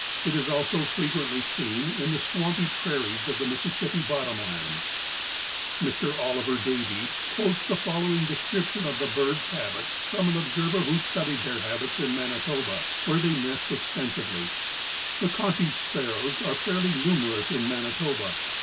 It is also frequently seen in the swampy prairies of the Mississippi bottom lands. Mr. Oliver Davie quotes the following description of the bird's habits from an observer who studied their habits in Manitoba, where they nest extensively: "Leconte's Sparrows are fairly numerous in Manitoba.